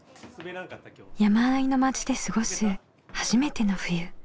山あいの町で過ごす初めての冬。